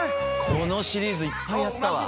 このシリーズいっぱいやったわ。